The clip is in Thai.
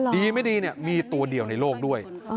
ดีไม่ดีมีตัวเดียวในโลกด้วย